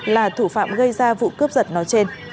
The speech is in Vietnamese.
là thủ phạm gây ra vụ cướp giật nói trên